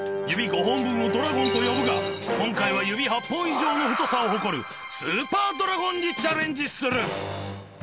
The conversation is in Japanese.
指５本分をドラゴンと呼ぶが今回は指８本以上の太さを誇るスーパードラゴンにチャレンジする！